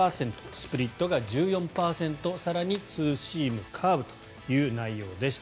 スプリットが１４％更にツーシーム、カーブという内容でした。